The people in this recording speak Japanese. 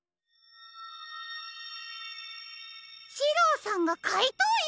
シローさんがかいとうＵ！？